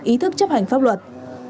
ý thức chấp hành pháp luật